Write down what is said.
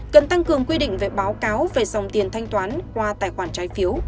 cần tăng cường quy định về báo cáo về dòng tiền thanh toán qua tài khoản trái phiếu